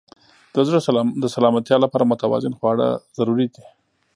د زړه د سلامتیا لپاره متوازن خواړه ضروري دي.